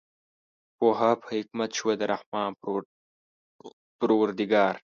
پوهه په حکمت شوه د رحمان پروردګار